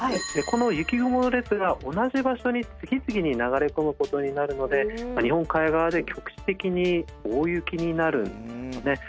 この雪雲の列が同じ場所に次々に流れ込むことになるので日本海側で局地的に大雪になるんですね。